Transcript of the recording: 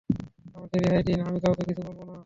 আমাকে রেহাই দিন, আমি কাউকে কিচ্ছু বলবো না।